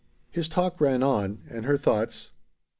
His talk ran on, and her thoughts.